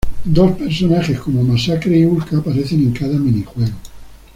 Dos personajes como Masacre y Hulka aparecen en cada mini-juego.